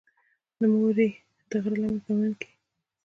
د مورې د غرۀ پۀ لمن کښې